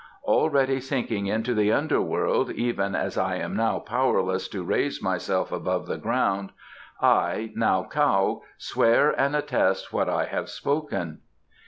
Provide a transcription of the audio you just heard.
Already sinking into the Under World, even as I am now powerless to raise myself above the ground, I, Nau Kaou, swear and attest what I have spoken."